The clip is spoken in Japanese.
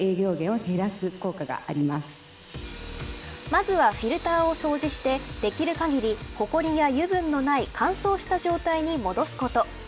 まずはフィルターを掃除してできる限りほこりや油分のない乾燥した状態に戻すこと。